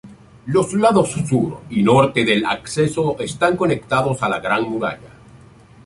Los lados sur y norte del de acceso están conectados a la Gran Muralla.